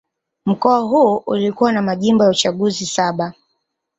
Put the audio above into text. Mkoa huu ulikuwa na majimbo ya uchaguzi saba